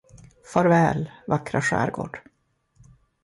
Farväl, vackra skärgård!